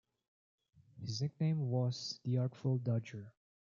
His nickname was 'The Artful Dodger'.